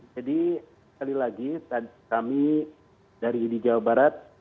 jadi kali lagi kami dari di jawa barat